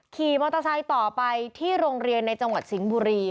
ขี่มอเตอร์ไซค์ต่อไปที่โรงเรียนในจังหวัดสิงห์บุรี